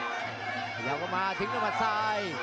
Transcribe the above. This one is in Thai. พยายามประมานมาถึงตัวมาฟทราย